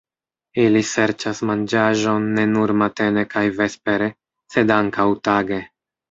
Ili serĉas manĝaĵon ne nur matene kaj vespere, sed ankaŭ tage.